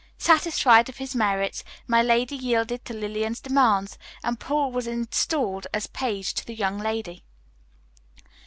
Satisfied of his merits, my lady yielded to Lillian's demands, and Paul was installed as page to the young lady.